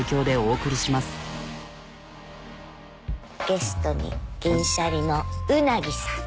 ゲストに銀シャリの鰻さん。